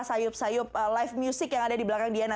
sayup sayup live music yang ada di belakang diana